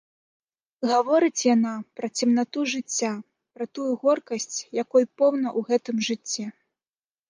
Гаворыць яна пра цемнату жыцця, пра тую горкасць, якой поўна ў гэтым жыцці.